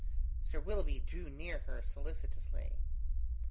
Sir Willoughby drew near her solicitously.